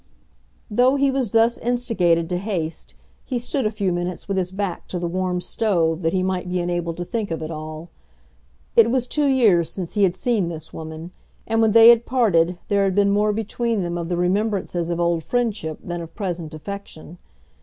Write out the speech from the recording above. Though he was thus instigated to haste he stood a few minutes with his back to the warm stove that he might be enabled to think of it all. It was two years since he had seen this woman, and when they had parted there had been more between them of the remembrances of old friendship than of present affection.